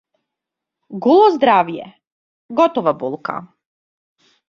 Голо здравје, готова болка.